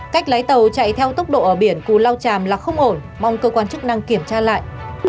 cách lái tàu chạy theo tốc độ ở biển cù lao chàm là không ổn mong cơ quan chức năng kiểm tra lại